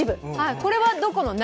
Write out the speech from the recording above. これはどこの何？